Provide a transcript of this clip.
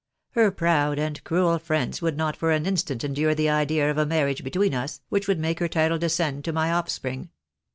Her proud and cruel friends would not for an instant endure the idea of a marriage between us, which would make her title descend to my offspring.